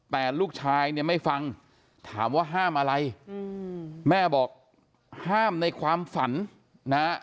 แต่ลูกชายเนี่ยไม่ฟังถามว่าห้ามอะไรแม่บอกห้ามในความฝันนะฮะ